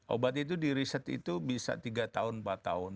obat itu di riset itu bisa tiga tahun empat tahun